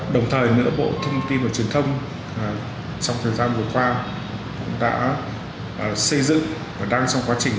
đồng thời nữa bộ thông tin và truyền thông trong thời gian vừa qua cũng đã xây dựng và đang trong quá trình